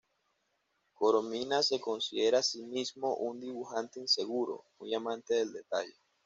Corominas se considera a sí mismo un dibujante inseguro, muy amante del detalle.